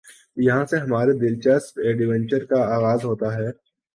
یہاں سے ہمارے دلچسپ ایڈونچر کا آغاز ہوتا ہے ۔